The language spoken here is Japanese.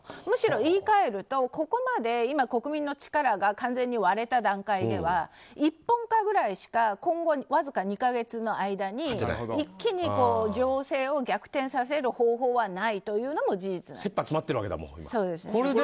むしろ言い換えるとここまで今、国民の力が完全に割れた段階では一本化ぐらいしか今後わずか２か月の間に一気に情勢を逆転させる方法はないというのも事実なんです。